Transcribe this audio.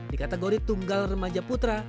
dikategori tunggal remaja putra